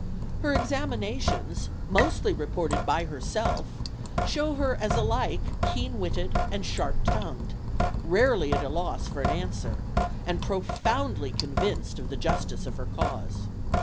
Her examinations, mostly reported by herself, show her as alike keen witted and sharp tongued, rarely at a loss for an answer, and profoundly convinced of the justice of her cause.